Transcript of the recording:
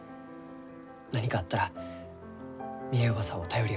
何かあったらみえ叔母さんを頼りよ。